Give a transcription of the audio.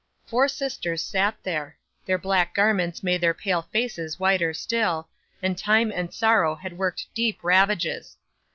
Four sisters sat there. Their black garments made their pale faces whiter still, and time and sorrow had worked deep ravages.